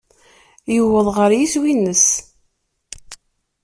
Yewweḍ ɣer yiswi-nnes.